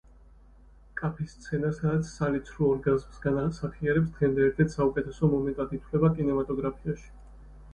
კაფის სცენა სადაც სალი ცრუ ორგაზმს განასახიერებს, დღემდე ერთ-ერთ საუკეთესო მომენტად ითვლება კინემატოგრაფიაში.